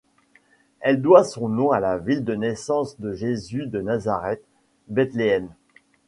Elle doit son nom à la ville de naissance de Jésus de Nazareth, Bethléem.